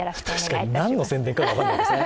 確かに何の宣伝か分からないですね。